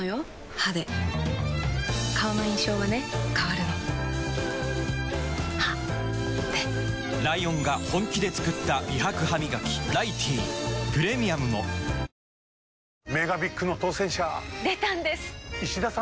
歯で顔の印象はね変わるの歯でライオンが本気で作った美白ハミガキ「ライティー」プレミアムも続いては、ソラよみです。